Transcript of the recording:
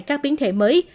các biến thể mới